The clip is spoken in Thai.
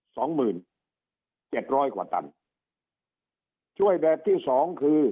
สองหมื่นเจ็ดร้อยกว่าตันช่วยแบบที่สองคือ